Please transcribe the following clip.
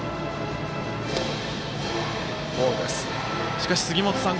しかし、杉本さん